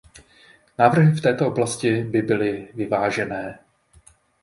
Návrhy v této oblasti by byly vyvážené.